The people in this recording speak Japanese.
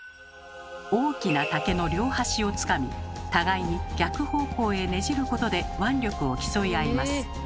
大きな竹の両端をつかみ互いに逆方向へねじることで腕力を競い合います。